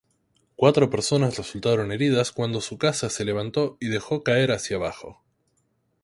Cuatro personas resultaron heridas cuando su casa se levantó y dejó caer hacia abajo.